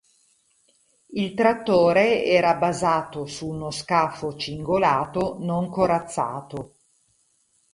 Il trattore era basato su uno scafo cingolato non corazzato.